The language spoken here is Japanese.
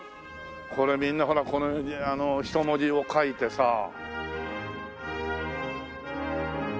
これみんなほらこの人文字を書いてさ。